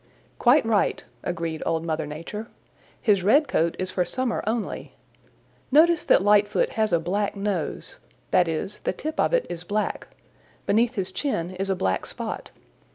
"Quite right," agreed Old Mother Nature. "His red coat is for summer only. Notice that Lightfoot has a black nose. That is, the tip of it is black. Beneath his chin is a black spot.